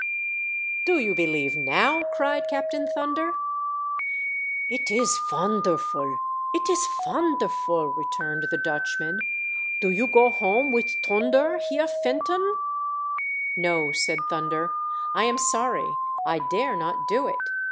"Do you believe now!" cried Captain Thunder. "It is fonderful! it is fonderful!" returned the Dutchman. " Do you go home with Toonder, Heer Fenton ?"" No," said Thunder, " I am sorry; I dare I AM ALONE. 519 not do it.